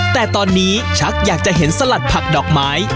แต่ตอนนี้ชักอยากจะเห็นสลัดผักดอกไม้